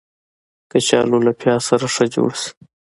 کچالو له پیاز سره ښه جوړ شي